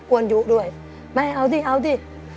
อ้วนอยู่ด้วยแม่เอาสิเอาสิ